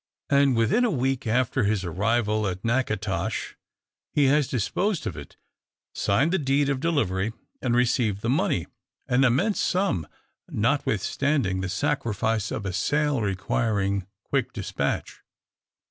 And within a week after his arrival in Natchitoches, he has disposed of it; signed the deed of delivery, and received the money. An immense sum, notwithstanding the sacrifice of a sale requiring quick despatch.